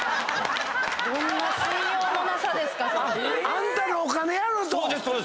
あんたのお金やろと。